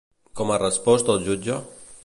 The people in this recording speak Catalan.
Com ha respost el jutge?